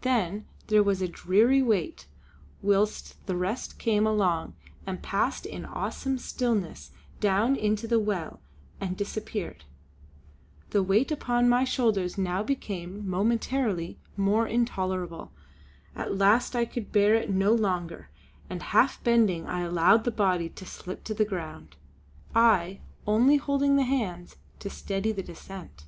Then there was a dreary wait whilst the rest came along and passed in awesome stillness down into the well and disappeared. The weight upon my shoulders now became momentarily more intolerable. At last I could bear it no longer, and half bending I allowed the body to slip to the ground, I only holding the hands to steady the descent.